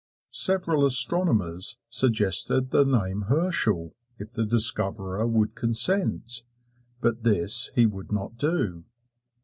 Several astronomers suggested the name "Herschel," if the discoverer would consent, but this he would not do.